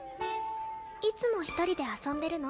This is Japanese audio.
いつも１人で遊んでるの？